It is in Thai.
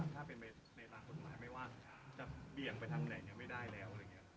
ถ้าไปทางทางกฎหมายไม่ว่างจะเบียงไปทางไรไม่ได้แล้ว